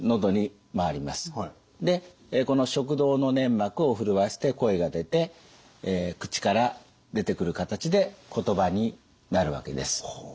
でこの食道の粘膜を震わせて声が出て口から出てくる形で言葉になるわけです。